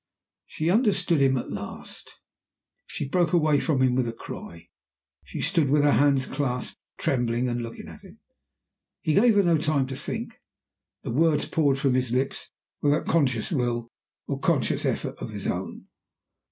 She understood him at last. She broke away from him with a cry. She stood with her hands clasped, trembling and looking at him. He gave her no time to think. The words poured from his lips without conscious will or conscious effort of his own.